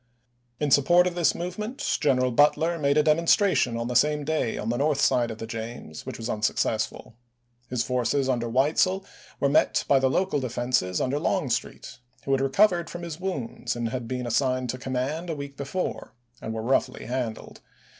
In support of this movement General Butler made a demonstration on the same day on the north side of the James which was unsuccessful. His forces under Weitzel were met by the local defenses under Longstreet, who had recovered from his wounds and been assigned to command a week before, and were roughly handled.